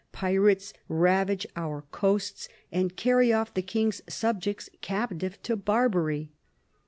. pirates ravage our coasts and carry off the King's subjects captive to Barbary."